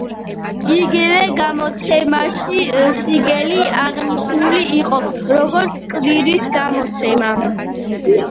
იმავე გამოცემაში სინგლი აღნიშნული იყო, როგორც კვირის გამოცემა.